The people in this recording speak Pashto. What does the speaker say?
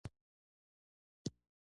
په افغانستان کې د ښځو د ودې